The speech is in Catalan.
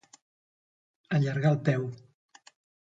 Allargar el peu.